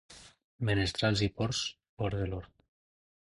Menestrals i porcs, fora de l'hort.